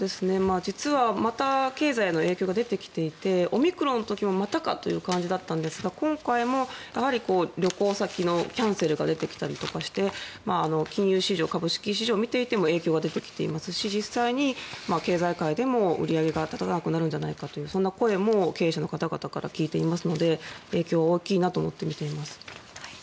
実はまた経済への影響が出てきていてオミクロンの時もまたかという感じだったんですが今回もやはり旅行先のキャンセルが出てきたりして金融市場、株式市場を見ていても影響が出てきていますし実際に経済界でも売り上げが立たなくなるんじゃないかとそんな声も経営者から聞いていますので影響は大きいなと思っています。